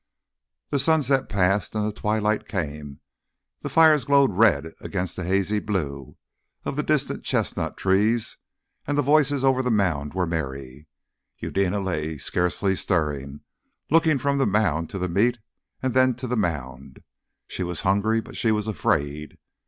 The sunset passed and the twilight came, the fires glowed red against the hazy blue of the distant chestnut trees, and the voices over the mound were merry. Eudena lay scarcely stirring, looking from the mound to the meat and then to the mound. She was hungry, but she was afraid.